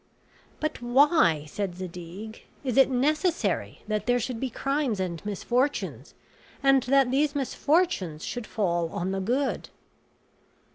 "But why," said Zadig, "is it necessary that there should be crimes and misfortunes, and that these misfortunes should fall on the good?"